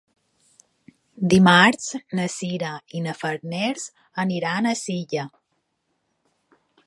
Dimarts na Sira i na Farners aniran a Silla.